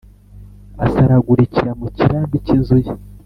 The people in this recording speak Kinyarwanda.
asaragurikira mu kirambi cy’inzu ye.